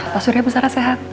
pak surya dan bu sarah sehat